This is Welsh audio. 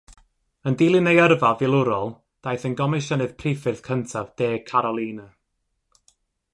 Yn dilyn ei yrfa filwrol daeth yn Gomisiynydd Priffyrdd cyntaf De Carolina.